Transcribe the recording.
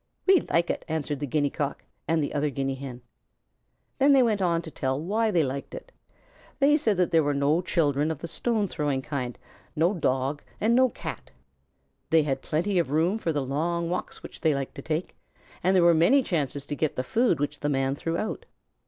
"We like it," answered the Guinea Cock and the other Guinea Hen. Then they went on to tell why they liked it. They said that there were no children of the stone throwing kind, no Dog, and no Cat. They had plenty of room for the long walks which they liked to take, and there were many chances to get the food which the Man threw out.